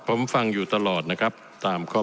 ผมฟังอยู่ตลอดตามข้อ๖๙